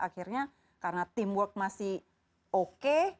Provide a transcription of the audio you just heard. akhirnya karena tim work masih oke